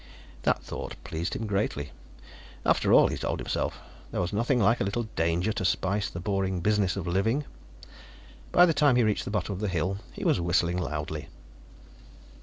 That thought pleased him greatly; after all, he told himself, there was nothing like a little danger to spice the boring business of living. By the time he reached the bottom of the hill, he was whistling loudly.